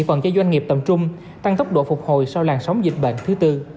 phần cho doanh nghiệp tầm chung tăng tốc độ phục hồi sau làn sóng dịch bệnh thứ bốn